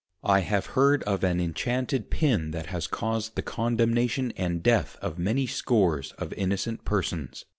I have heard of an Inchanted Pin, that has caused the Condemnation and Death of many scores of innocent Persons.